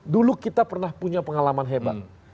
dulu kita pernah punya pengalaman hebat